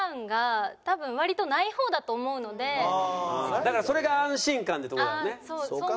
だからそれが安心感ってとこだろうね。